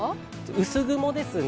薄雲ですね。